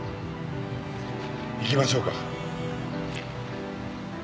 行きましょうか。